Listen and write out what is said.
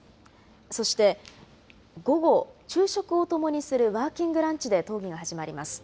そして、午後、昼食を共にするワーキングランチで討議が始まります。